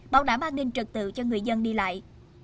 bảo đảm an ninh trực tự cho người dân đi lại